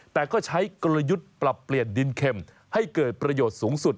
แต่ก็ใช้กลยุทธ์ปรับเปลี่ยนดินเข็มให้เกิดประโยชน์สูงสุด